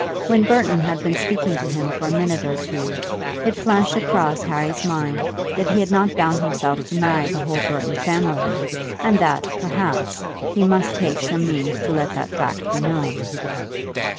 When Burton had been speaking to him for a minute or two, it flashed across Harry's mind that he had not bound himself to marry the whole Burton family, and that, perhaps, he must take some means to let that fact be known.